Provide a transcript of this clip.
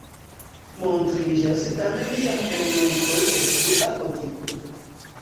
Montriĝas tamen jam elementoj de frua gotiko.